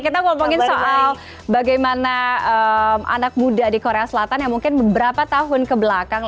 kita ngomongin soal bagaimana anak muda di korea selatan yang mungkin beberapa tahun kebelakang